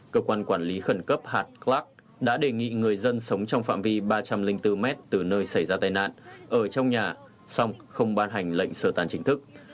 cơ quan quản lý khẩn cấp hạt clark đã đề nghị người dân sống trong phạm vi ba trăm linh bốn mét từ nơi xảy ra tai nạn ở trong nhà xong không ban hành lệnh sơ tán chính thức